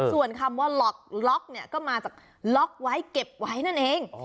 ส่วนคำว่าล็อกเนี่ยก็มาจากล็อกไว้เก็บไว้นั่นเอง